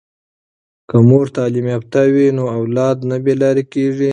که مور تعلیم یافته وي نو اولاد نه بې لارې کیږي.